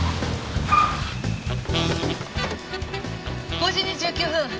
５時２９分！